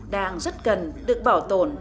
đang rất cần được bảo tồn